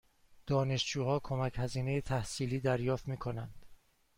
دانشجوها کمک هزینه تحصیلی دریافت می کنند؟